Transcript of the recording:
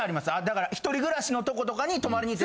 だから一人暮らしのとことかに泊まりに。